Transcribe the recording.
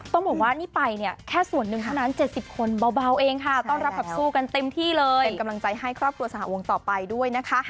ต้องบอกว่านี่ไปเนี่ยแค่ส่วนหนึ่งเท่านั้น๗๐คนเบาเองค่ะต้อนรับแบบสู้กันเต็มที่เลยเป็นกำลังใจให้ครอบครัวสหวงต่อไปด้วยนะคะ